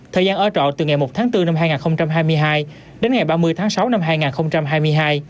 thời gian ở trọ từ ngày một tháng bốn năm hai nghìn hai mươi hai đến ngày ba mươi tháng sáu năm hai nghìn hai mươi hai